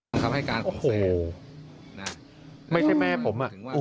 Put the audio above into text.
ไม่ใช่แม่ผม